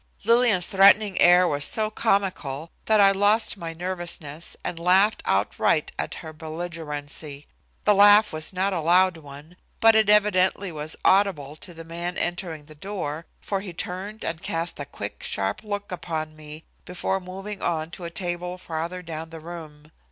Lillian's threatening air was so comical that I lost my nervousness and laughed outright at her belligerency. The laugh was not a loud one, but it evidently was audible to the man entering the door, for he turned and cast a quick, sharp look upon me before moving on to a table farther down the room.